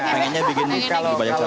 kayaknya bikin lebih banyak cabang